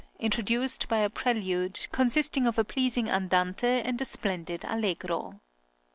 Introduced by a prelude, consisting of a pleasing andante and a splendid allegro.